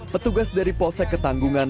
petugas dari posek ketanggungan